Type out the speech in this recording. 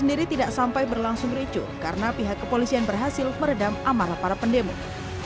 sendiri tidak sampai berlangsung ricu karena pihak kepolisian berhasil meredam amarah para pendemo